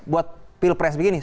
buat pilpres begini